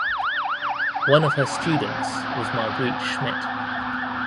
One of her students was Margrit Schmidt.